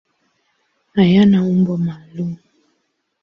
Hayana umbo maalum.